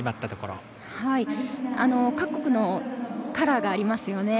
各国のカラーがありますね。